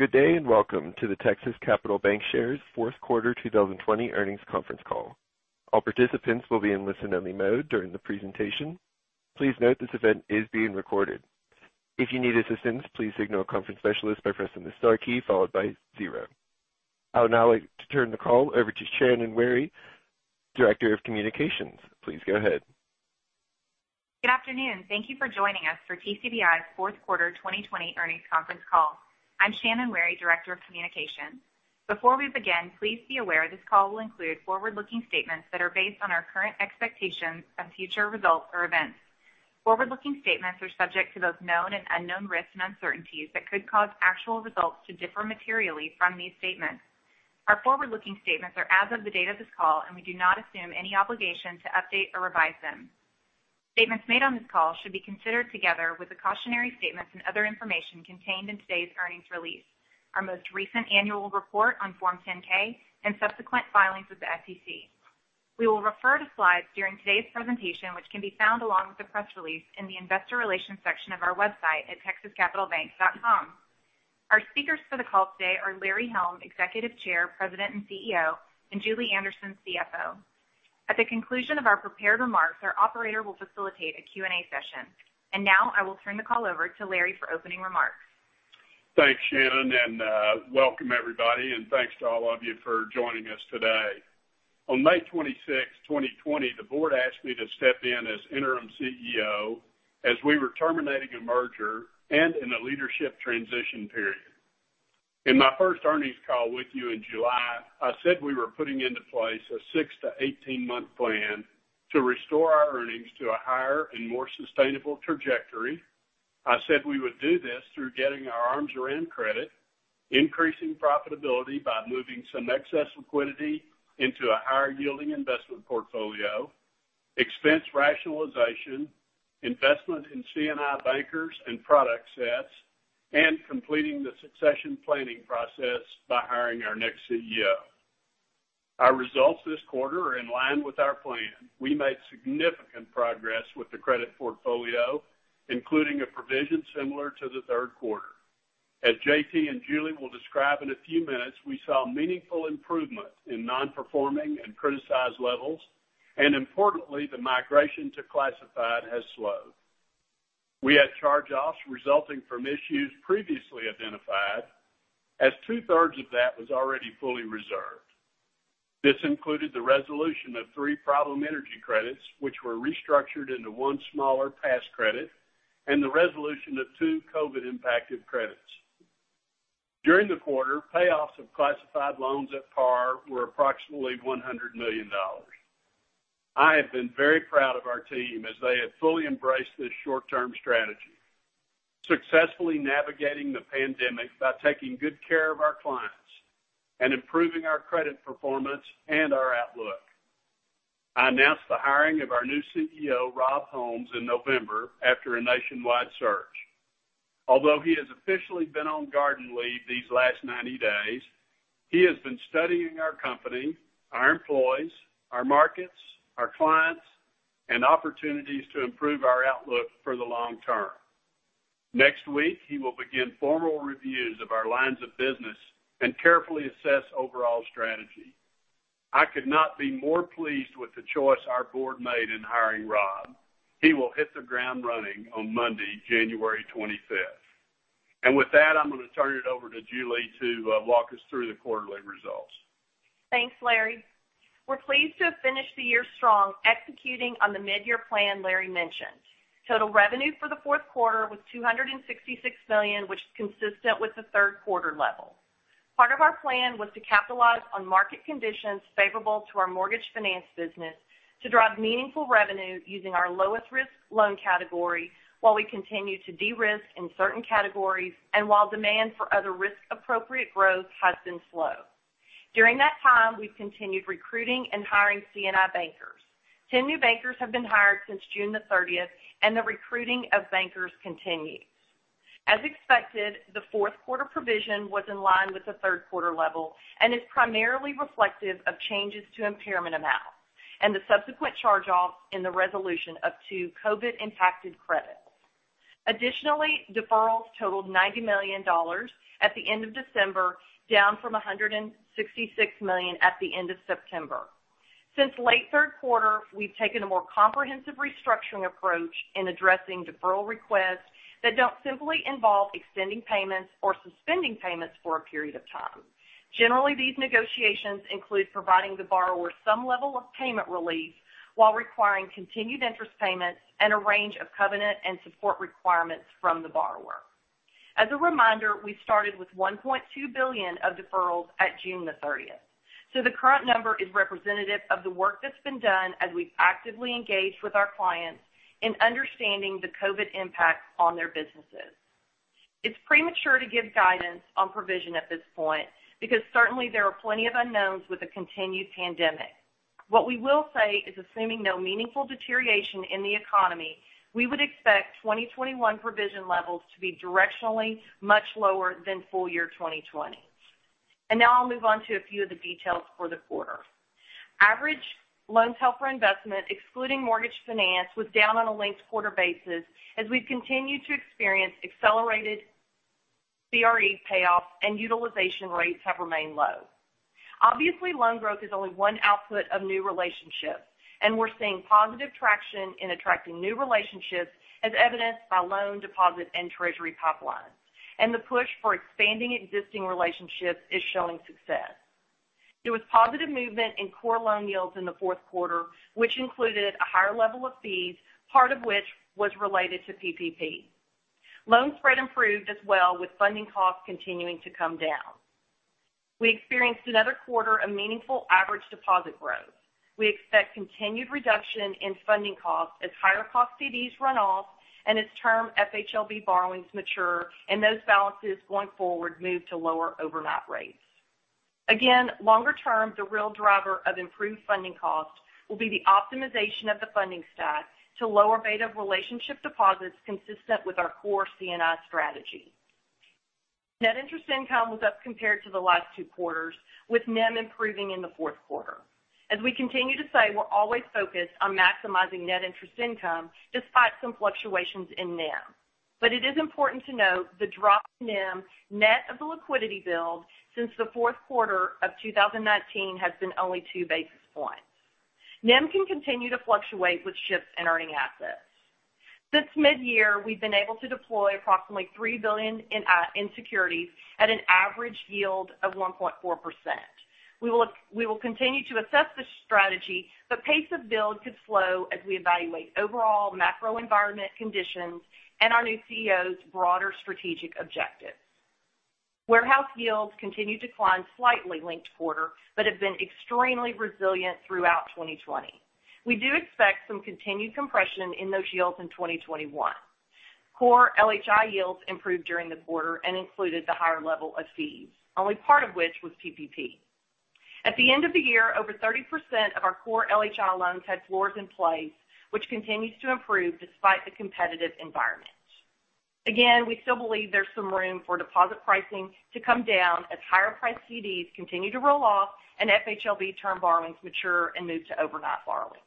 Good day, and welcome to the Texas Capital Bancshares Q4 2020 earnings conference call. All participants will be in listen-only mode during the presentation. Please note this event is being recorded. If you need assistance, please signal a conference specialist by pressing the star key followed by zero. I would now like to turn the call over to Shannon Wherry, Director of Communications. Please go ahead. Good afternoon. Thank you for joining us for TCBI's Q4 2020 earnings conference call. I'm Shannon Wherry, Director of Communications. Before we begin, please be aware this call will include forward-looking statements that are based on our current expectations of future results or events. Forward-looking statements are subject to those known and unknown risks and uncertainties that could cause actual results to differ materially from these statements. Our forward-looking statements are as of the date of this call, and we do not assume any obligation to update or revise them. Statements made on this call should be considered together with the cautionary statements and other information contained in today's earnings release, our most recent annual report on Form 10-K, and subsequent filings with the SEC. We will refer to slides during today's presentation, which can be found along with the press release in the investor relations section of our website at texascapitalbank.com. Our speakers for the call today are Larry Helm, Executive Chair, President, and CEO, and Julie Anderson, CFO. At the conclusion of our prepared remarks, our operator will facilitate a Q&A session. Now, I will turn the call over to Larry for opening remarks. Thanks, Shannon, and welcome everybody, and thanks to all of you for joining us today. On May 26, 2020, the board asked me to step in as interim CEO as we were terminating a merger and in a leadership transition period. In my first earnings call with you in July, I said we were putting into place a 6 to 18-month plan to restore our earnings to a higher and more sustainable trajectory. I said we would do this through getting our arms around credit, increasing profitability by moving some excess liquidity into a higher-yielding investment portfolio, expense rationalization, investment in C&I bankers and product sets, and completing the succession planning process by hiring our next CEO. Our results this quarter are in line with our plan. We made significant progress with the credit portfolio, including a provision similar to the Q3. As JT and Julie will describe in a few minutes, we saw meaningful improvement in non-performing and criticized levels, and importantly, the migration to classified has slowed. We had charge-offs resulting from issues previously identified, as two-thirds of that was already fully reserved. This included the resolution of three problem energy credits, which were restructured into one smaller pass credit, and the resolution of two COVID-impacted credits. During the quarter, payoffs of classified loans at par were approximately $100 million. I have been very proud of our team as they have fully embraced this short-term strategy, successfully navigating the pandemic by taking good care of our clients and improving our credit performance and our outlook. I announced the hiring of our new CEO, Rob Holmes, in November after a nationwide search. Although he has officially been on garden leave these last 90 days, he has been studying our company, our employees, our markets, our clients, and opportunities to improve our outlook for the long term. Next week, he will begin formal reviews of our lines of business and carefully assess overall strategy. I could not be more pleased with the choice our board made in hiring Rob. He will hit the ground running on Monday, January 25th. With that, I'm going to turn it over to Julie to walk us through the quarterly results. Thanks, Larry. We're pleased to have finished the year strong, executing on the mid-year plan Larry mentioned. Total revenue for the Q4 was $266 million, which is consistent with the Q3 level. Part of our plan was to capitalize on market conditions favorable to our mortgage finance business to drive meaningful revenue using our lowest risk loan category while we continue to de-risk in certain categories and while demand for other risk-appropriate growth has been slow. During that time, we've continued recruiting and hiring C&I bankers. 10 new bankers have been hired since June 30th. The recruiting of bankers continues. As expected, the Q4 provision was in line with the Q3 level and is primarily reflective of changes to impairment amounts and the subsequent charge-offs in the resolution of two COVID-impacted credits. Additionally, deferrals totaled $90 million at the end of December, down from $166 million at the end of September. Since late Q3, we've taken a more comprehensive restructuring approach in addressing deferral requests that don't simply involve extending payments or suspending payments for a period of time. Generally, these negotiations include providing the borrower some level of payment relief while requiring continued interest payments and a range of covenant and support requirements from the borrower. As a reminder, we started with $1.2 billion of deferrals at June the 30th. The current number is representative of the work that's been done as we've actively engaged with our clients in understanding the COVID impact on their businesses. It's premature to give guidance on provision at this point because certainly there are plenty of unknowns with the continued pandemic. What we will say is assuming no meaningful deterioration in the economy, we would expect 2021 provision levels to be directionally much lower than full year 2020. Now I'll move on to a few of the details for the quarter. Average loans held for investment, excluding mortgage finance, was down on a linked quarter basis as we've continued to experience accelerated CRE payoffs and utilization rates have remained low. Obviously, loan growth is only one output of new relationships, and we're seeing positive traction in attracting new relationships, as evidenced by loan deposit and treasury pipelines. The push for expanding existing relationships is showing success. There was positive movement in core loan yields in the Q4, which included a higher level of fees, part of which was related to PPP. Loan spread improved as well, with funding costs continuing to come down. We experienced another quarter of meaningful average deposit growth. We expect continued reduction in funding costs as higher cost CDs run off and as term FHLB borrowings mature, and those balances going forward move to lower overnight rates. Again, longer term, the real driver of improved funding costs will be the optimization of the funding stack to lower beta relationship deposits consistent with our core C&I strategy. Net interest income was up compared to the last two quarters, with NIM improving in the Q4. As we continue to say, we're always focused on maximizing net interest income despite some fluctuations in NIM. It is important to note the drop in NIM, net of the liquidity build since the Q4 of 2019 has been only two basis points. NIM can continue to fluctuate with shifts in earning assets. Since mid-year, we've been able to deploy approximately $3 billion in securities at an average yield of 1.4%. We will continue to assess this strategy, but pace of build could slow as we evaluate overall macro environment conditions and our new CEO's broader strategic objectives. Warehouse yields continued to decline slightly linked quarter, but have been extremely resilient throughout 2020. We do expect some continued compression in those yields in 2021. Core LHI yields improved during the quarter and included the higher level of fees, only part of which was PPP. At the end of the year, over 30% of our core LHI loans had floors in place, which continues to improve despite the competitive environment. Again, we still believe there's some room for deposit pricing to come down as higher priced CDs continue to roll off and FHLB term borrowings mature and move to overnight borrowings.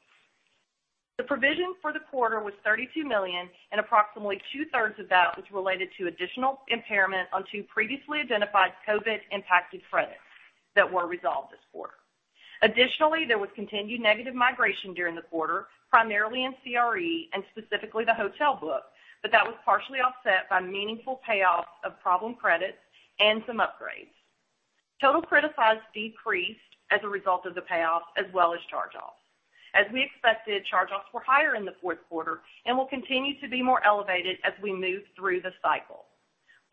The provision for the quarter was $32 million, and approximately two-thirds of that was related to additional impairment on two previously identified COVID-impacted credits that were resolved this quarter. Additionally, there was continued negative migration during the quarter, primarily in CRE and specifically the hotel book, but that was partially offset by meaningful payoffs of problem credits and some upgrades. Total criticized decreased as a result of the payoffs as well as charge-offs. As we expected, charge-offs were higher in the Q4 and will continue to be more elevated as we move through the cycle.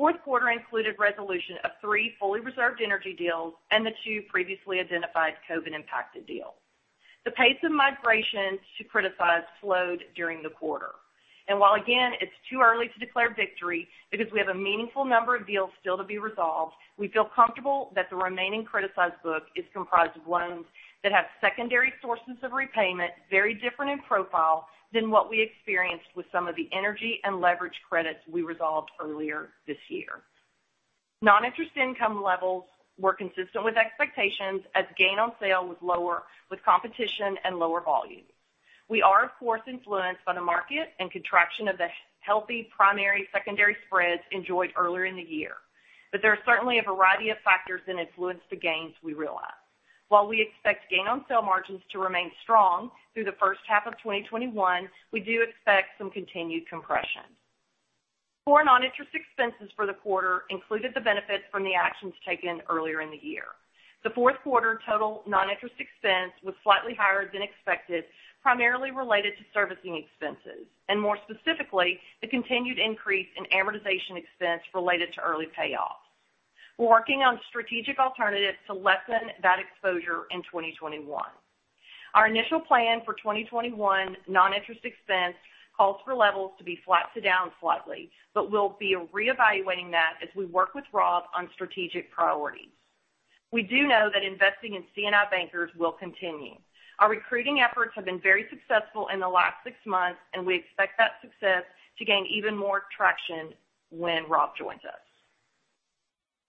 Q4 included resolution of three fully reserved energy deals and the two previously identified COVID-impacted deals. The pace of migration to criticized slowed during the quarter. While again, it's too early to declare victory because we have a meaningful number of deals still to be resolved, we feel comfortable that the remaining criticized book is comprised of loans that have secondary sources of repayment, very different in profile than what we experienced with some of the energy and leverage credits we resolved earlier this year. Non-interest income levels were consistent with expectations as gain on sale was lower with competition and lower volume. We are, of course, influenced by the market and contraction of the healthy primary, secondary spreads enjoyed earlier in the year. There are certainly a variety of factors that influence the gains we realize. While we expect gain on sale margins to remain strong through the H1 of 2021, we do expect some continued compression. Core non-interest expenses for the quarter included the benefits from the actions taken earlier in the year. The Q4 total non-interest expense was slightly higher than expected, primarily related to servicing expenses, and more specifically, the continued increase in amortization expense related to early payoff. We're working on strategic alternatives to lessen that exposure in 2021. Our initial plan for 2021 non-interest expense calls for levels to be flat to down slightly, but we'll be reevaluating that as we work with Rob on strategic priorities. We do know that investing in C&I bankers will continue. Our recruiting efforts have been very successful in the last six months, and we expect that success to gain even more traction when Rob joins us.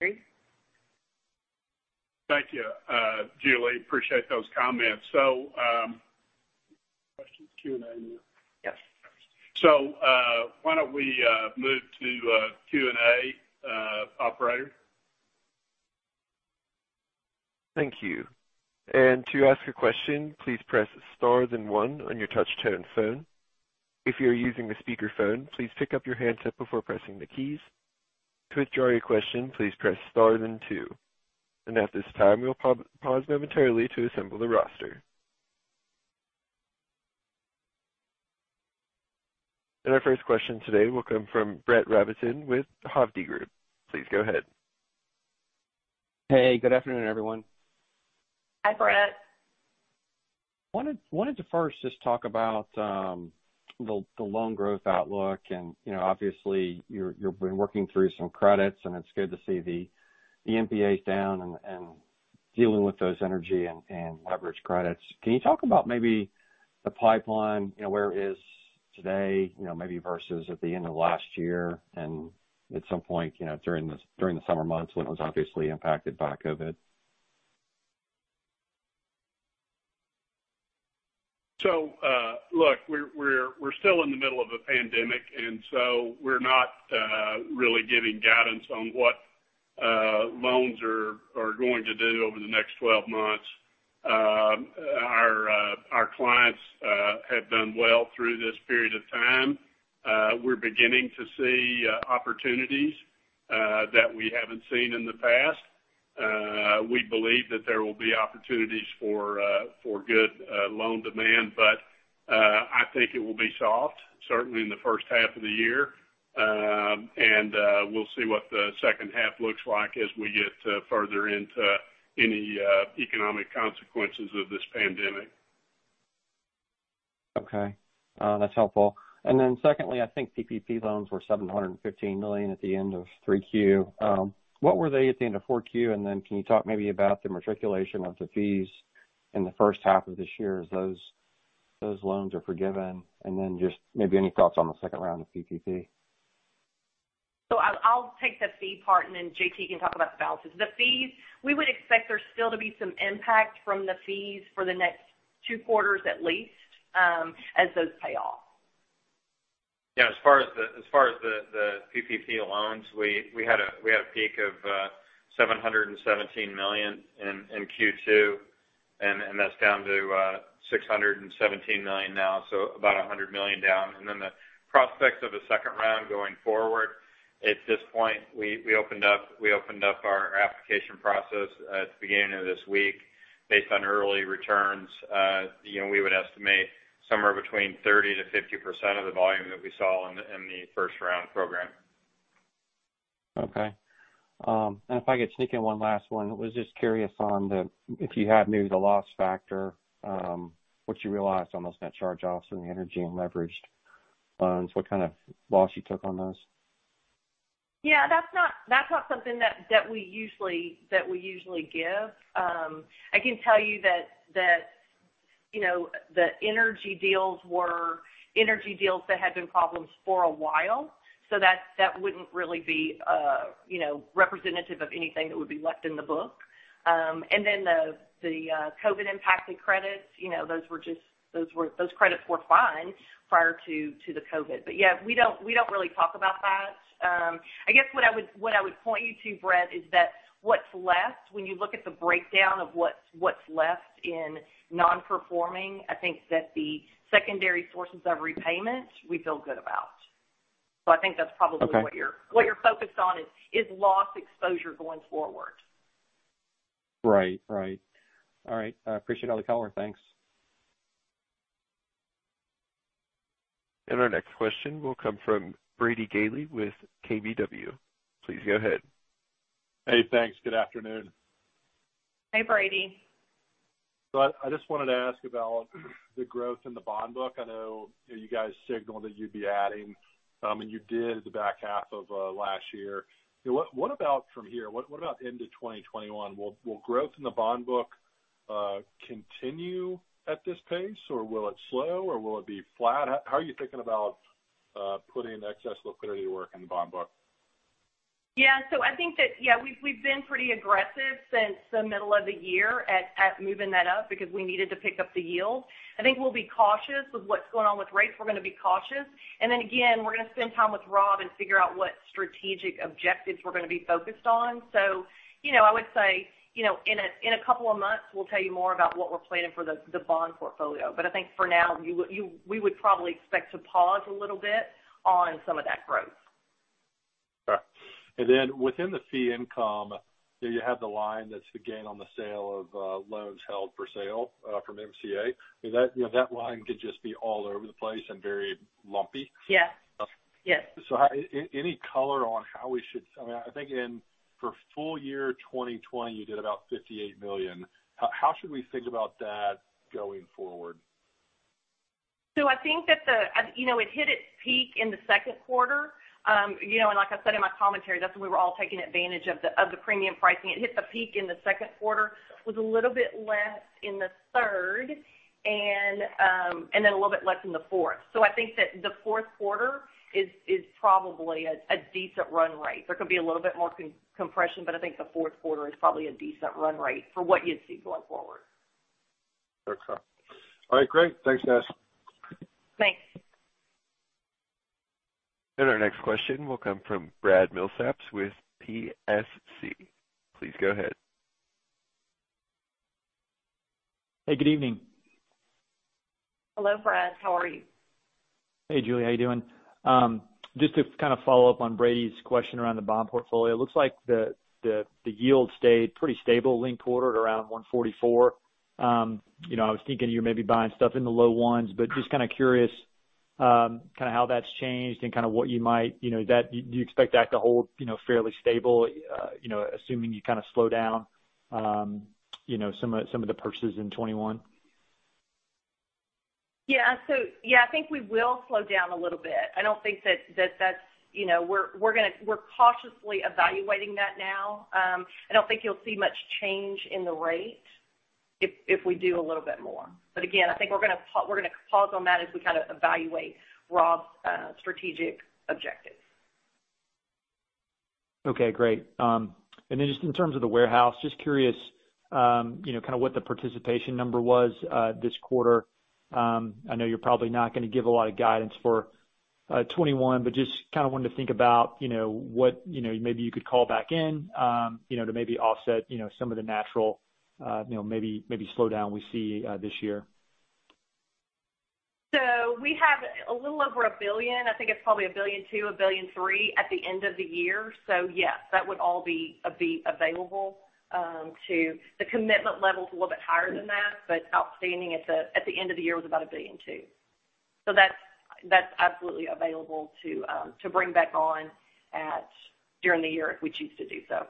Larry? Thank you, Julie. Appreciate those comments. Questions, Q&A? Yes. Why don't we move to Q&A? Operator? Thank you. To ask a question, please press star then one on your touch-tone phone. If you are using a speakerphone, please pick up your handset before pressing the keys. To withdraw your question, please press star then two. At this time, we'll pause momentarily to assemble the roster. Our first question today will come from Brett Rabatin with Hovde Group. Please go ahead. Hey, good afternoon, everyone. Hi, Brett. Wanted to first just talk about the loan growth outlook and obviously you've been working through some credits, and it's good to see the NPAs down and. Dealing with those energy and leverage credits, can you talk about maybe the pipeline, where it is today, maybe versus at the end of last year and at some point, during the summer months when it was obviously impacted by COVID? Look, we're still in the middle of a pandemic, we're not really giving guidance on what loans are going to do over the next 12 months. Our clients have done well through this period of time. We're beginning to see opportunities that we haven't seen in the past. We believe that there will be opportunities for good loan demand. I think it will be soft, certainly in the H1 of the year. We'll see what the H2 looks like as we get further into any economic consequences of this pandemic. Okay. That's helpful. Secondly, I think PPP loans were $715 million at the end of 3Q. What were they at the end of 4Q? Can you talk maybe about the matriculation of the fees in the H1 of this year as those loans are forgiven? Just maybe any thoughts on the second round of PPP. I'll take the fee part, and then JT can talk about the balances. The fees, we would expect there still to be some impact from the fees for the next two quarters at least, as those pay off. Yeah, as far as the PPP loans, we had a peak of $717 million in Q2. That's down to $617 million now, so about $100 million down. The prospects of a second round going forward, at this point, we opened up our application process at the beginning of this week. Based on early returns, we would estimate somewhere between 30%-50% of the volume that we saw in the first round program. Okay. If I could sneak in one last one. I was just curious on if you had maybe the loss factor, what you realized on those net charge-offs in the energy and leveraged loans, what kind of loss you took on those. That's not something that we usually give. I can tell you that the energy deals were energy deals that had been problems for a while, so that wouldn't really be representative of anything that would be left in the book. The COVID impacted credits, those credits were fine prior to the COVID. Yeah, we don't really talk about that. I guess what I would point you to, Brett, is that what's left, when you look at the breakdown of what's left in non-performing, I think that the secondary sources of repayment, we feel good about. I think that's probably- Okay what you're focused on is loss exposure going forward. Right. All right. I appreciate all the color. Thanks. Our next question will come from Brady Gailey with KBW. Please go ahead. Hey, thanks. Good afternoon. Hey, Brady. I just wanted to ask about the growth in the bond book. I know you guys signaled that you'd be adding, and you did the back half of last year. What about from here? What about into 2021? Will growth in the bond book continue at this pace, or will it slow, or will it be flat? How are you thinking about putting excess liquidity to work in the bond book? Yeah, I think that we've been pretty aggressive since the middle of the year at moving that up because we needed to pick up the yield. I think we'll be cautious of what's going on with rates. We're going to be cautious. We're going to spend time with Rob and figure out what strategic objectives we're going to be focused on. I would say, in a couple of months, we'll tell you more about what we're planning for the bond portfolio. I think for now, we would probably expect to pause a little bit on some of that growth. Sure. Then within the fee income, you have the line that's the gain on the sale of loans held for sale from MCA. That line could just be all over the place and very lumpy. Yeah. Any color on I think for full year 2020, you did about $58 million. How should we think about that going forward? I think that it hit its peak in the Q2. Like I said in my commentary, that's when we were all taking advantage of the premium pricing. It hit the peak in the Q2. Was a little bit less in the third, and then a little bit less in the fourth. I think that the Q4 is probably a decent run rate. There could be a little bit more compression, but I think the Q4 is probably a decent run rate for what you'd see going forward. Okay. All right, great. Thanks, guys. Thanks. Our next question will come from Brad Milsaps with PSC. Please go ahead. Hey, good evening. Hello, Brad. How are you? Hey, Julie. How you doing? Just to kind of follow up on Brady's question around the bond portfolio. It looks like the yield stayed pretty stable linked quarter at around 144. I was thinking you're maybe buying stuff in the low ones, but just kind of curious how that's changed and do you expect that to hold fairly stable, assuming you kind of slow down some of the purchases in 2021? Yeah, I think we will slow down a little bit. We're cautiously evaluating that now. I don't think you'll see much change in the rate if we do a little bit more. Again, I think we're going to pause on that as we kind of evaluate Rob's strategic objectives. Okay, great. Just in terms of the warehouse, just curious what the participation number was this quarter. I know you're probably not going to give a lot of guidance for 2021, just kind of wanted to think about what maybe you could call back in to maybe offset some of the natural maybe slowdown we see this year. We have a little over $1 billion. I think it's probably $1.2 billion, $1.3 billion at the end of the year. Yes, that would all be available to. The commitment level's a little bit higher than that, but outstanding at the end of the year was about $1.2 billion. That's absolutely available to bring back on during the year if we choose to do so.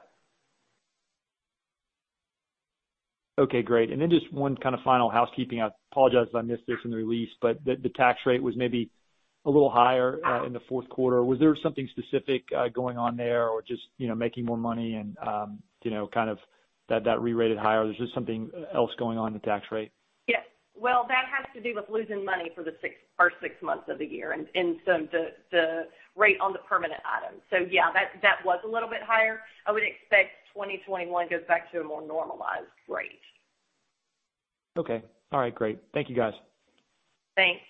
Okay, great. Just one kind of final housekeeping. I apologize if I missed this in the release, the tax rate was maybe a little higher in the Q4. Was there something specific going on there or just making more money and kind of that rerated higher? There's just something else going on in the tax rate? Yeah. Well, that has to do with losing money for the first six months of the year and so the rate on the permanent items. Yeah, that was a little bit higher. I would expect 2021 goes back to a more normalized rate. Okay. All right, great. Thank you guys. Thanks.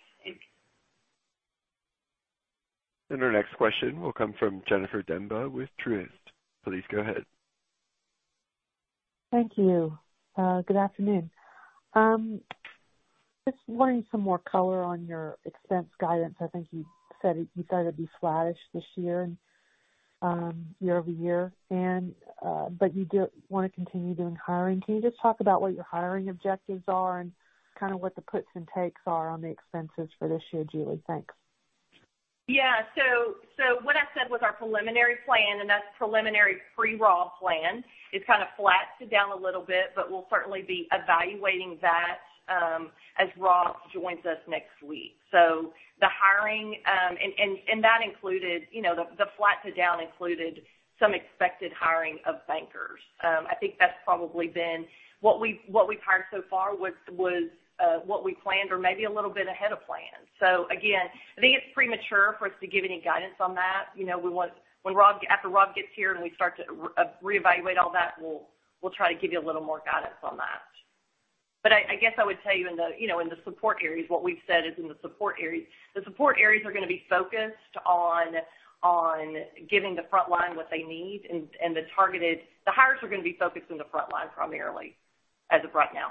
Our next question will come from Jennifer Demba with Truist. Please go ahead. Thank you. Good afternoon. Just wanting some more color on your expense guidance. I think you said it'd be flattish this year and year-over-year. You do want to continue doing hiring. Can you just talk about what your hiring objectives are and kind of what the puts and takes are on the expenses for this year, Julie? Thanks. Yeah. What I said was our preliminary plan, and that's preliminary pre-rob plan. It's kind of flat to down a little bit, but we'll certainly be evaluating that as Rob joins us next week. The hiring, and that included the flat to down included some expected hiring of bankers. I think that's probably been what we've hired so far was what we planned or maybe a little bit ahead of plan. Again, I think it's premature for us to give any guidance on that. After Rob gets here and we start to reevaluate all that, we'll try to give you a little more guidance on that. I guess I would tell you in the support areas, what we've said is in the support areas. The support areas are going to be focused on giving the front line what they need and the hires are going to be focused in the front line primarily as of right now.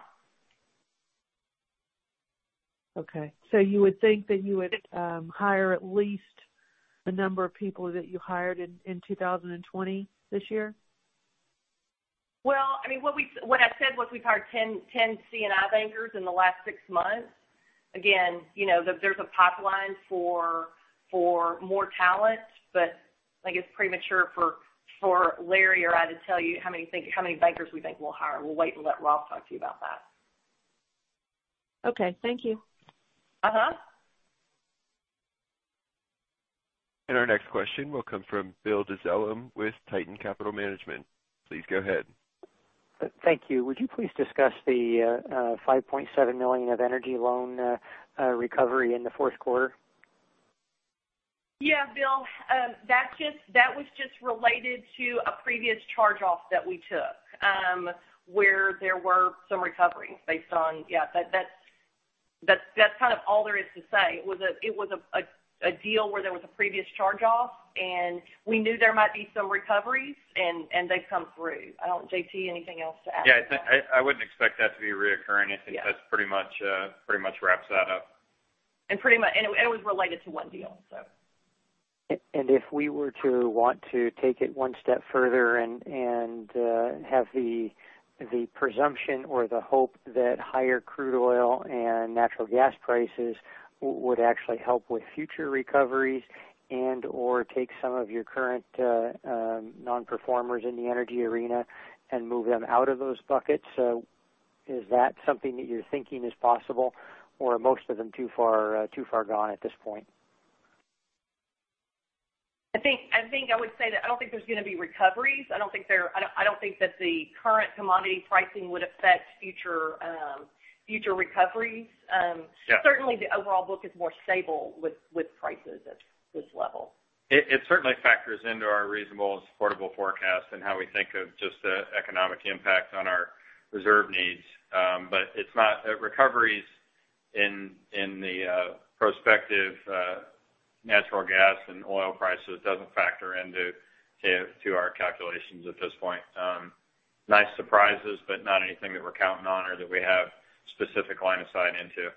Okay. You would think that you would hire at least the number of people that you hired in 2020 this year? Well, what I've said was we've hired 10 C&I bankers in the last six months. Again, there's a pipeline for more talent, but I think it's premature for Larry or I to tell you how many bankers we think we'll hire. We'll wait and let Rob talk to you about that. Okay. Thank you. Our next question will come from Bill Dezellem with Tieton Capital Management. Please go ahead. Thank you. Would you please discuss the $5.7 million of energy loan recovery in the Q4? Yeah, Bill. That was just related to a previous charge-off that we took, where there were some recoveries. Yeah, that's kind of all there is to say. It was a deal where there was a previous charge-off, and we knew there might be some recoveries, and they've come through. JT, anything else to add? Yeah, I wouldn't expect that to be reoccurring. I think that pretty much wraps that up. It was related to one deal. If we were to want to take it one step further and have the presumption or the hope that higher crude oil and natural gas prices would actually help with future recoveries and/or take some of your current non-performers in the energy arena and move them out of those buckets. Is that something that you're thinking is possible, or are most of them too far gone at this point? I think I would say that I don't think there's going to be recoveries. I don't think that the current commodity pricing would affect future recoveries. Yeah. Certainly, the overall book is more stable with prices at this level. It certainly factors into our reasonable and supportable forecast and how we think of just the economic impact on our reserve needs. Recoveries in the prospective natural gas and oil prices doesn't factor into our calculations at this point. Nice surprises, not anything that we're counting on or that we have specific line of sight into.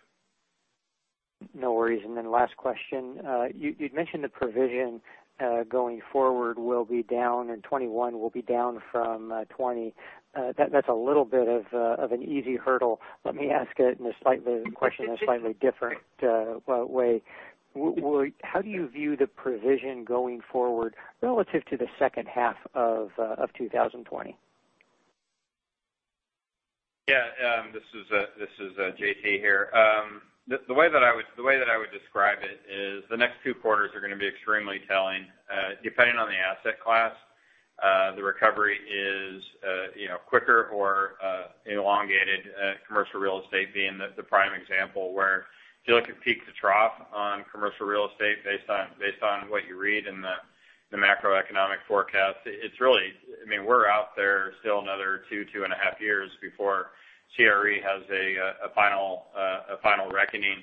No worries. Last question. You'd mentioned the provision going forward will be down in 2021, will be down from 2020. That's a little bit of an easy hurdle. Let me ask it in a slightly different way. How do you view the provision going forward relative to the H2 of 2020? Yeah. This is J.T here. The way that I would describe it is the next two quarters are going to be extremely telling. Depending on the asset class, the recovery is quicker or elongated, commercial real estate being the prime example, where if you look at peak to trough on commercial real estate based on what you read in the macroeconomic forecast, we're out there still another two and a half years before CRE has a final reckoning.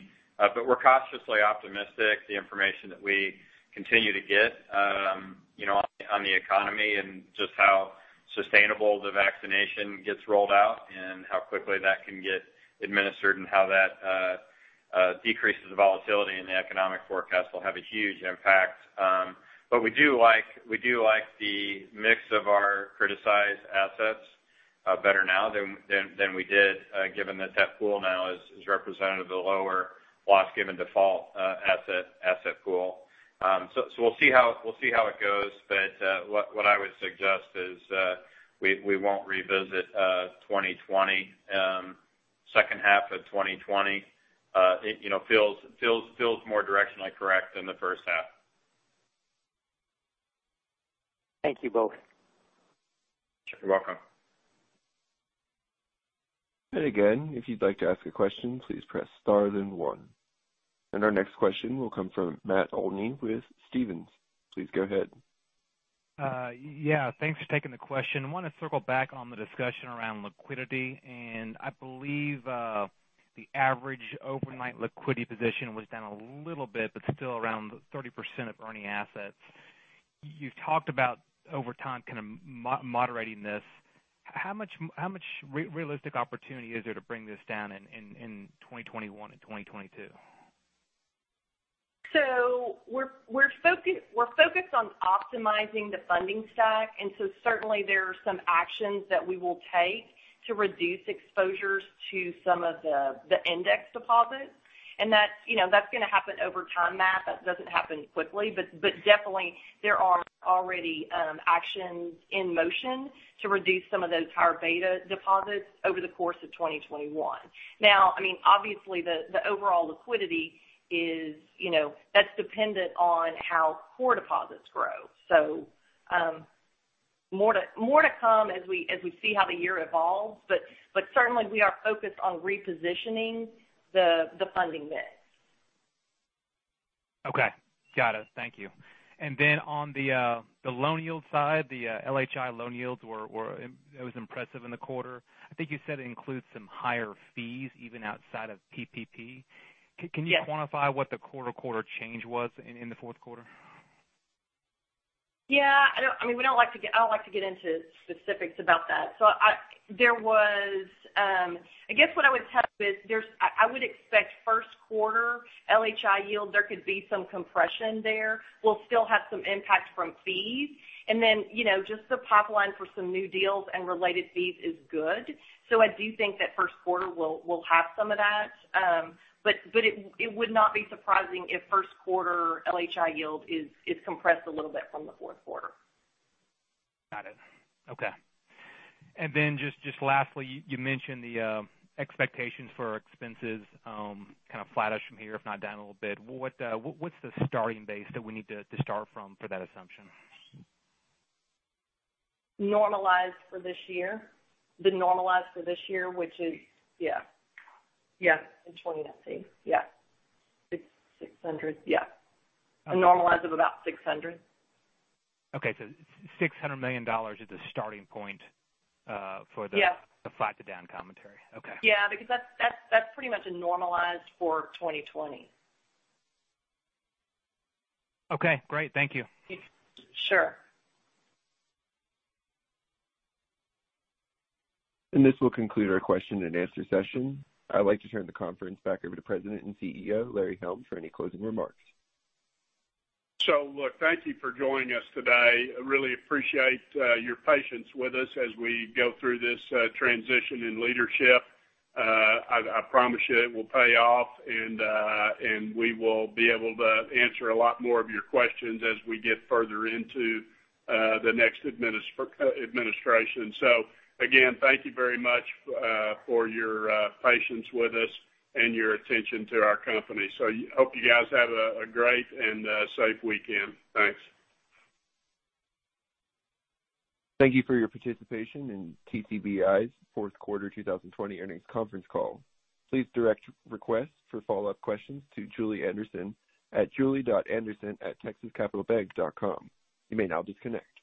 We're cautiously optimistic. The information that we continue to get on the economy and just how sustainable the vaccination gets rolled out and how quickly that can get administered and how that decreases the volatility in the economic forecast will have a huge impact. We do like the mix of our criticized assets better now than we did, given that that pool now is representative of the lower loss given default asset pool. We'll see how it goes. What I would suggest is we won't revisit 2020. H2 of 2020 feels more directionally correct than the H1. Thank you both. You're welcome. Again, if you'd like to ask a question, please press star then one. Our next question will come from Matt Olney with Stephens. Please go ahead. Yeah. Thanks for taking the question. I want to circle back on the discussion around liquidity. I believe the average overnight liquidity position was down a little bit, but still around 30% of earning assets. You've talked about over time kind of moderating this. How much realistic opportunity is there to bring this down in 2021 and 2022? We're focused on optimizing the funding stack, certainly there are some actions that we will take to reduce exposures to some of the index deposits. That's going to happen over time, Matt. That doesn't happen quickly. Definitely there are already actions in motion to reduce some of those higher beta deposits over the course of 2021. Obviously, the overall liquidity, that's dependent on how core deposits grow. More to come as we see how the year evolves. Certainly we are focused on repositioning the funding mix. Okay. Got it. Thank you. On the loan yield side, the LHI loan yields, it was impressive in the quarter. I think you said it includes some higher fees even outside of PPP. Yes. Can you quantify what the quarter-to-quarter change was in the Q4? Yeah. I don't like to get into specifics about that. I guess what I would tell you is I would expect Q1 LHI yield, there could be some compression there. We'll still have some impact from fees. Then just the pipeline for some new deals and related fees is good. I do think that Q1 will have some of that. It would not be surprising if Q1 LHI yield is compressed a little bit from the Q4. Got it. Okay. Just lastly, you mentioned the expectations for expenses kind of flattish from here, if not down a little bit. What's the starting base that we need to start from for that assumption? Normalized for this year. The normalized for this year, yeah. In 2020, let's see. Yeah. $600. Yeah. A normalized of about $600. Okay. $600 million is the starting point. Yeah for the flat to down commentary. Okay. Yeah, that's pretty much a normalized for 2020. Okay, great. Thank you. Sure. This will conclude our question and answer session. I'd like to turn the conference back over to President and CEO, Larry Helm, for any closing remarks. Look, thank you for joining us today. I really appreciate your patience with us as we go through this transition in leadership. I promise you it will pay off, and we will be able to answer a lot more of your questions as we get further into the next administration. Again, thank you very much for your patience with us and your attention to our company. I hope you guys have a great and a safe weekend. Thanks. Thank you for your participation in TCBI's Q4 2020 earnings conference call. Please direct requests for follow-up questions to Julie Anderson at julie.anderson@texascapitalbank.com. You may now disconnect.